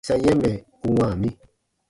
Sa yɛ̃ mɛ̀ u wãa mi.